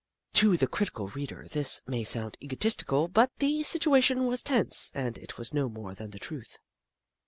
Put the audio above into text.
To the critical reader this may sound egotistical, but the situation was tense, and it was no more than the truth.